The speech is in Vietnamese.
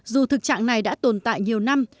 dù thực trạng này đã tồn tại nhiều năm